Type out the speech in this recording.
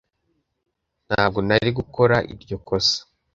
Ntabwo nari gukora iryo kosa